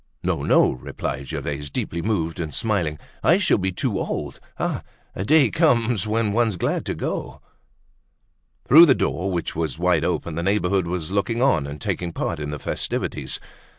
"No, no," replied Gervaise, deeply moved and smiling; "I shall be too old. Ah! a day comes when one's glad to go." Through the door, which was wide open, the neighborhood was looking on and taking part in the festivities.